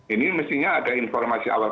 ini mestinya ada informasi awal